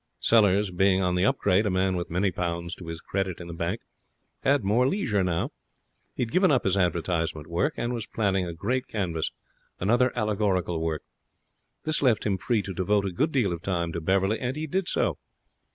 Sellers being on the upgrade, a man with many pounds to his credit in the bank, had more leisure now. He had given up his advertisement work, and was planning a great canvas another allegorical work. This left him free to devote a good deal of time to Beverley, and he did so.